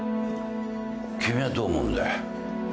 君はどう思うんだ？